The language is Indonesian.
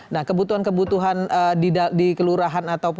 nah kebutuhan kebutuhan di kelurahan